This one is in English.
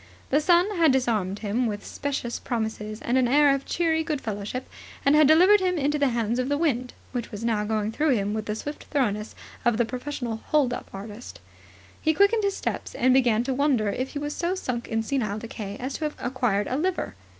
The sun had disarmed him with specious promises and an air of cheery goodfellowship, and had delivered him into the hands of the wind, which was now going through him with the swift thoroughness of the professional hold up artist. He quickened his steps, and began to wonder if he was so sunk in senile decay as to have acquired a liver.